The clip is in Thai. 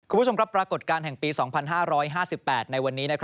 คุณผู้ชมครับปรากฏการณ์แห่งปี๒๕๕๘ในวันนี้